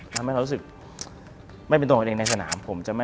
ทำให้เขารู้สึกไม่เป็นตัวกันเองในสนาม